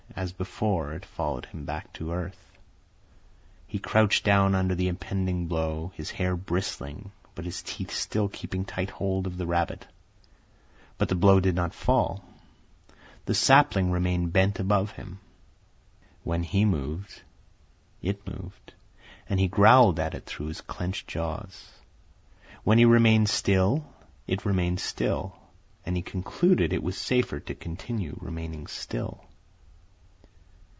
As before, it followed him back to earth. He crouched down under the impending blow, his hair bristling, but his teeth still keeping tight hold of the rabbit. But the blow did not fall. The sapling remained bent above him. When he moved it moved, and he growled at it through his clenched jaws; when he remained still, it remained still, and he concluded it was safer to continue remaining still.